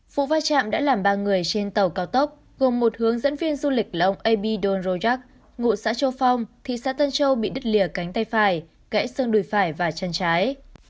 vụ vai trạm đã làm ba người trên tàu cao tốc gồm một hướng dẫn viên du lịch là ông a b don rojak ngụ xã châu phong thị xã tân châu bị đứt lìa cánh tay phải gãy sương đùi phải và chân trái